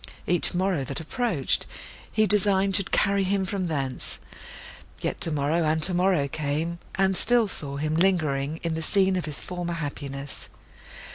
Each morrow that approached, he designed should carry him from thence; yet tomorrow and tomorrow came, and still saw him lingering in the scene of his former happiness.